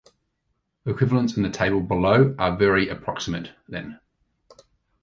Equivalents in the table below are very approximate, then.